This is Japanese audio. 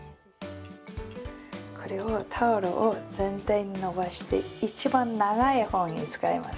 タオルを全体に伸ばして一番長い方を使います。